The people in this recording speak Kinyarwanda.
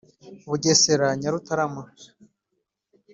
Bugesera Nyarutarama